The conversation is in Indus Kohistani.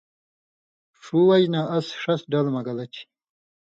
ݜُو وجہۡ نہ اَس ݜس ڈل مہ گلہ چھی۔